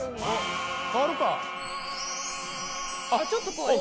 あっちょっと濃い。